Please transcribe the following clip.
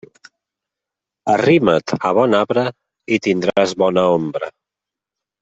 Arrima't a bon arbre i tindràs bona ombra.